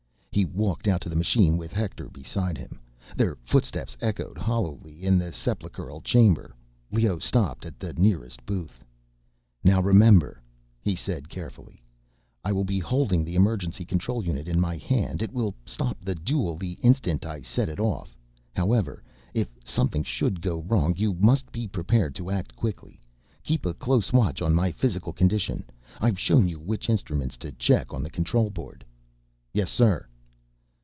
He walked out to the machine, with Hector beside him. Their footsteps echoed hollowly in the sepulchral chamber. Leoh stopped at the nearer booth. "Now remember," he said, carefully, "I will be holding the emergency control unit in my hand. It will stop the duel the instant I set it off. However, if something should go wrong, you must be prepared to act quickly. Keep a close watch on my physical condition; I've shown you which instruments to check on the control board—" "Yes sir."